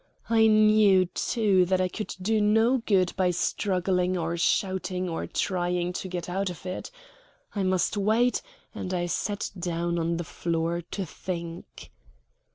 I knew, too, that I could do no good by struggling or shouting or trying to get out of it. I must wait, and I sat down on the floor to think.